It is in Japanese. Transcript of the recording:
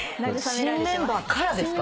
新メンバーからですか？